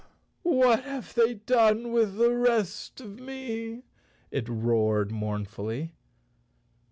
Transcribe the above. " What have they done with the rest of me ?" it roared mournfully.